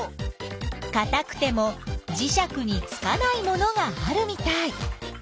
かたくてもじしゃくにつかないものがあるみたい。